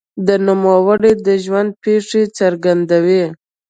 د نوموړي د ژوند پېښې څرګندوي.